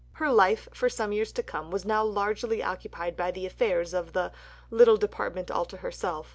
Her life, for some years to come, was now largely occupied with the affairs of the "little Department all to herself."